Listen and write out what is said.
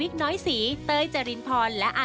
ซุ่มครบอดีตหวานใจซุปตาตัวแม่